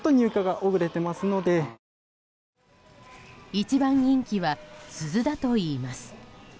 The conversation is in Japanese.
一番人気は鈴だといいます。